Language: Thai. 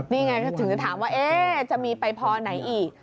นี่ไงก็ถึงจะถามว่าจะมีไปพอไหนอีก